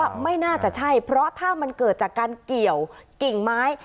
ไม่น่าจะใช่เพราะถ้ามันเกิดจากการเกี่ยวกิ่งไม้